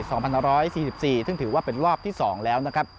ซึ่งถือว่าเป็นรอบที่๒แล้ว